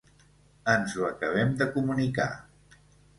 Ens ho acabem de comunicar.